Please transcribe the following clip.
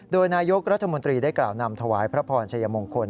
โดยนายกรัฐมนตรีได้กล่าวนำถวายพระพรชัยมงคล